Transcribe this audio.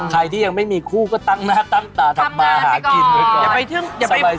ใครที่ยังไม่มีคู่ก็ตั้งหน้าตั้งตาทำมาหากินไว้ก่อน